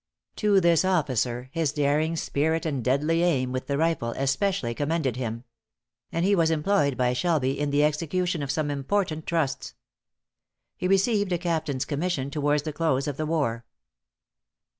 To this officer his daring spirit and deadly aim with the rifle, especially commended him; and he was employed by Shelby in the execution of some important trusts. He received a captain's commission towards the close of the war.